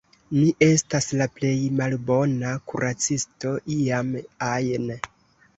Mi estas la plej malbona kuracisto iam ajn